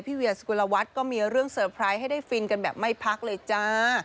เวียสุกุลวัฒน์ก็มีเรื่องเซอร์ไพรส์ให้ได้ฟินกันแบบไม่พักเลยจ้า